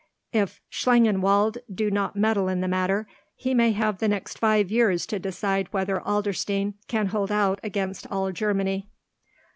"If Schlangenwald do not meddle in the matter, he may have the next five years to decide whether Adlerstein can hold out against all Germany."